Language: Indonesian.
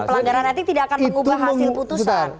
pelanggaran etik tidak akan mengubah hasil putusan